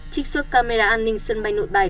trích xuất camera an ninh sân bay nội bài